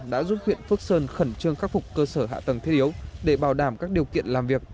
đã giúp huyện phước sơn khẩn trương khắc phục cơ sở hạ tầng thiết yếu để bảo đảm các điều kiện làm việc